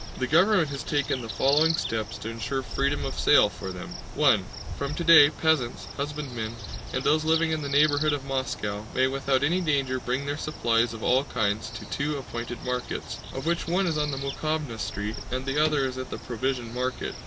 The government has taken the following steps to ensure freedom of sale for them: (1) From today, peasants, husbandmen, and those living in the neighborhood of Moscow may without any danger bring their supplies of all kinds to two appointed markets, of which one is on the Mokhováya Street and the other at the Provision Market.